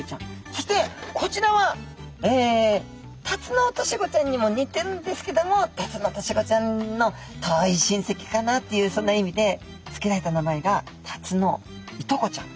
そしてこちらはタツノオトシゴちゃんにもにてるんですけどもタツノオトシゴちゃんの遠いしんせきかなっていうそんな意味でつけられた名前がタツノイトコちゃん。